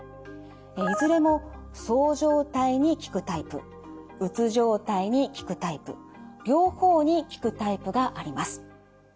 いずれもそう状態に効くタイプうつ状態に効くタイプ両方に効くタイプがあります。